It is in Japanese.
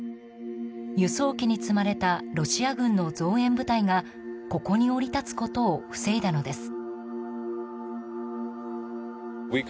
輸送機に積まれたロシア軍の増援部隊がここに降り立つことを防いだのです。